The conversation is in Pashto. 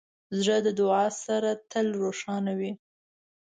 زړه د دعا سره تل روښانه وي.